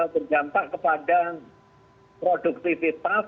berjantak kepada produktivitas